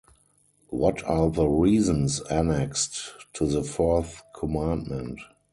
What are the reasons annexed to the fourth commandment?